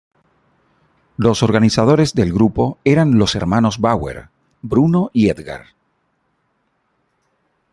Los organizadores del grupo eran los hermanos Bauer, Bruno y Edgar.